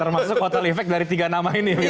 termasuk kotel efek dari tiga nama ini